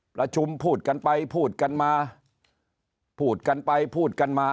ประชุมพูดกันไปพูดกันมาพูดกันไปพูดกันมา